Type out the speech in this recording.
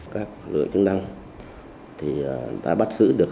các lực lượng chức năng thì đã bắt giữ được